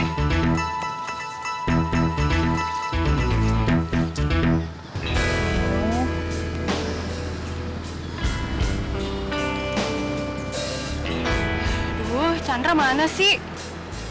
aduh chandra mana sih